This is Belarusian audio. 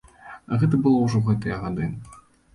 Гэта было ўжо ў гэтыя гады.